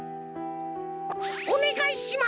おねがいします！